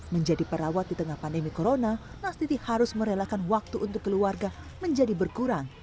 menjadi perawat di tengah pandemi corona nastiti harus merelakan waktu untuk keluarga menjadi berkurang